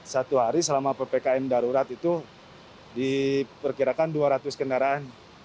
satu hari selama ppkm darurat itu diperkirakan dua ratus kendaraan